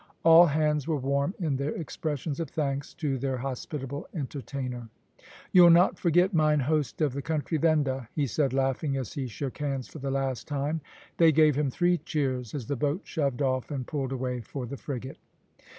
All hands were warm in their expressions of thanks to their hospitable entertainer. "You'll not forget `mine host' of the country venda," he said, laughing, as he shook hands for the last time. They gave him three cheers, as the boat shoved off and pulled away for the frigate.